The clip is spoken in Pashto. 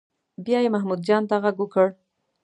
بیا یې محمود جان ته غږ وکړ.